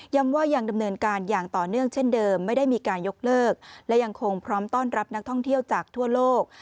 ว่ายังดำเนินการอย่างต่อเนื่องเช่นเดิมไม่ได้มีการยกเลิกและยังคงพร้อมต้อนรับนักท่องเที่ยวจากทั่วโลก